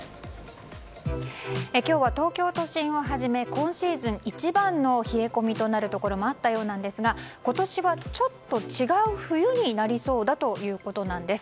今日は東京都心をはじめ今シーズン一番の冷え込みとなるところもあったようなんですが今年は、ちょっと違う冬になりそうだということなんです。